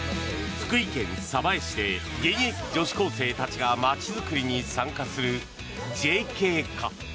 福井県鯖江市で現役女子高生たちが街づくりに参加するＪＫ課。